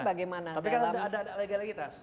tapi kan ada legalitas